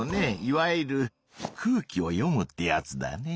いわゆる空気を読むってやつだね。